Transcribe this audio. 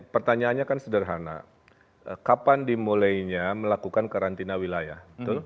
pertanyaannya kan sederhana kapan dimulainya melakukan karantina wilayah